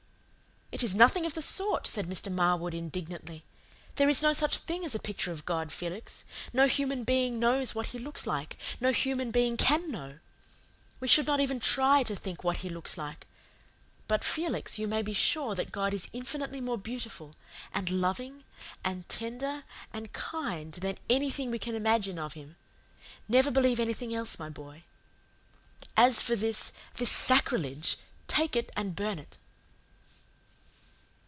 "It is nothing of the sort," said Mr. Marwood indignantly. "There is no such thing as a picture of God, Felix. No human being knows what he looks like no human being CAN know. We should not even try to think what He looks like. But, Felix, you may be sure that God is infinitely more beautiful and loving and tender and kind than anything we can imagine of Him. Never believe anything else, my boy. As for this this SACRILEGE take it and burn it."